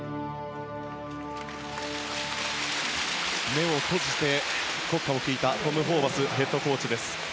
目を閉じて、国歌を聴いたトム・ホーバスヘッドコーチ。